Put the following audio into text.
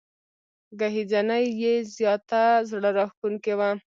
ګهیځنۍ یې زياته زړه راښکونکې وه.